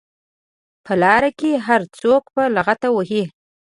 په لار کې هر څوک په لغته وهي.